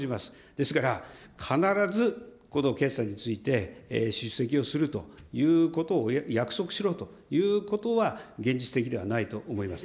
ですから、必ずこの決算について、出席をするということを約束しろということは現実的ではないと思います。